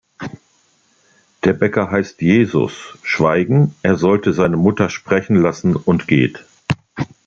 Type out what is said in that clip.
Der Bäcker heißt Jesus schweigen, er solle seine Mutter sprechen lassen, und geht.